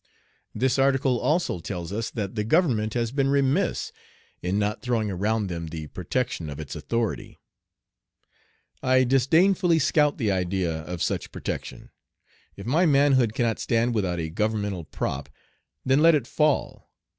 This article also tells us that "the government has been remiss in not throwing around them the protection of its authority." I disdainfully scout the idea of such protection. If my manhood cannot stand without a governmental prop, then let it fall.